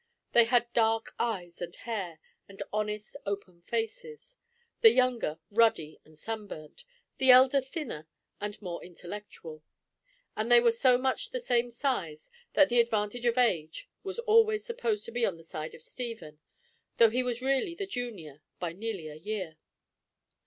They had dark eyes and hair, and honest open faces, the younger ruddy and sunburnt, the elder thinner and more intellectual—and they were so much the same size that the advantage of age was always supposed to be on the side of Stephen, though he was really the junior by nearly a year.